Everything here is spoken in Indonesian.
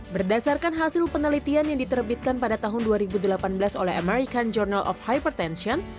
berdasarkan hasil penelitian yang diterbitkan pada tahun dua ribu delapan belas oleh american journal of hipertension